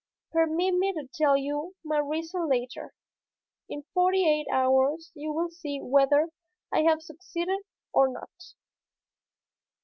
"Permit me to tell you my reason later. In forty eight hours you will see whether I have succeeded or not."